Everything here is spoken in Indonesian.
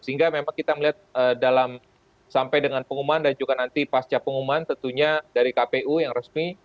sehingga memang kita melihat dalam sampai dengan pengumuman dan juga nanti pasca pengumuman tentunya dari kpu yang resmi